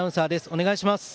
お願いします。